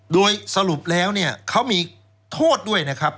โดยสรุปแล้วเนี่ยเขามีโทษด้วยนะครับ